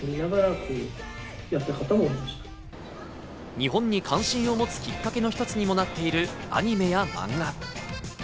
日本に関心を持つきっかけの一つにもなっているアニメや漫画。